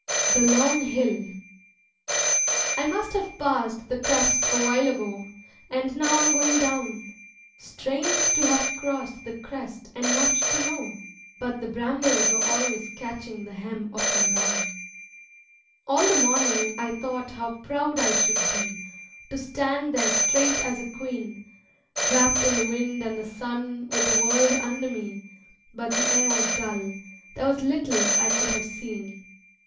The Long Hill I must have passed the crest a while ago And now I am going down Strange to have crossed the crest and not to know, But the brambles were always catching the hem of my gown. All the morning I thought how proud I should be To stand there straight as a queen, Wrapped in the wind and the sun with the world under me But the air was dull, there was little I could have seen.